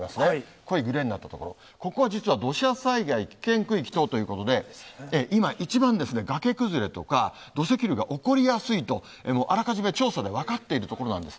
濃いグレーになった所、ここは実は土砂災害危険区域等ということで、今、一番崖崩れとか、土石流が起こりやすいと、あらかじめ調査で分かっている所なんです。